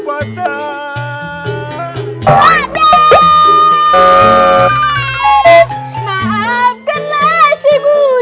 professor greenmore yang dalam lalu dulu